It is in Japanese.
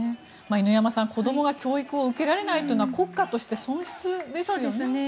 犬山さん、子どもが教育を受けられないのは国家として損失ですよね。